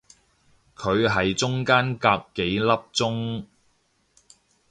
佢係中間隔幾粒鐘